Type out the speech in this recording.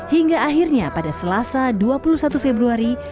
hingga akhirnya pada selasa dua puluh satu februari